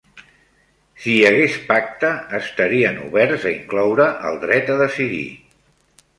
Si hi hagués pacte, estarien oberts a incloure el dret a decidir.